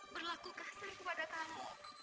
berlaku kasar kepada kamu